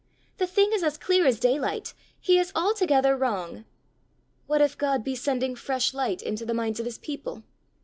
The thing is as clear as daylight: he is altogether wrong!" "What if God be sending fresh light into the minds of his people?"